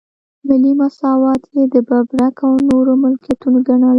ملي مواسسات یې د ببرک او نورو ملکيتونه ګڼل.